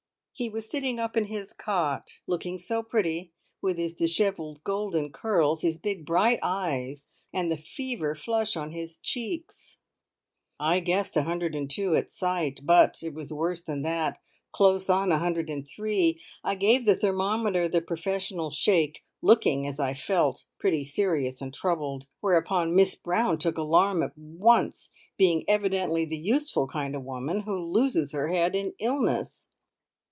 He was sitting up in his cot, looking so pretty with his dishevelled golden curls, his big bright eyes, and the fever flush on his cheeks. I guessed 102 at sight; but it was worse than that close on 103. I gave the thermometer the professional shake, looking, as I felt, pretty serious and troubled, whereupon Miss Brown took alarm at once, being evidently the useful kind of woman who loses her head in illness.